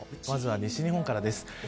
まずは西日本からです。